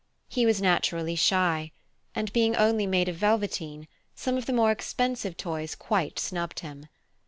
He was naturally shy, and being only made of velveteen, some of the more expensive toys quite snubbed him.